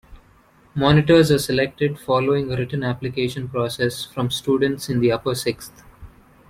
Monitors are selected, following a written application process, from students in the Upper Sixth.